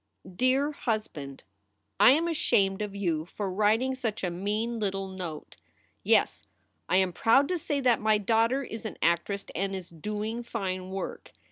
DEAR HUSBAND, I am ashamed of you for writing such a mean little note. Yes, I am proud to say that my daughter is an actress and is doing fine work.